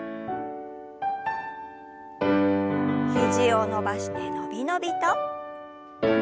肘を伸ばして伸び伸びと。